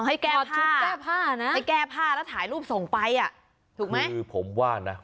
ให้แก้ผ้าให้แก้ผ้าแล้วถ่ายรูปส่งไปอ่ะถูกไหมคือผมว่านะ